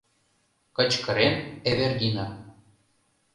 — кычкырен Эвердина.